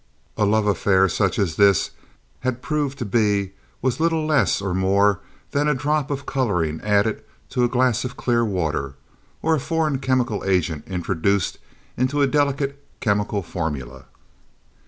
A love affair such as this had proved to be was little less or more than a drop of coloring added to a glass of clear water, or a foreign chemical agent introduced into a delicate chemical formula.